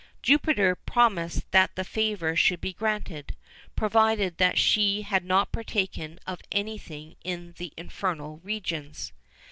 Jupiter promised that the favour should be granted, provided that she had not partaken of anything in the infernal regions.